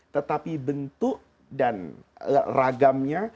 tetapi bentuk dan ragamnya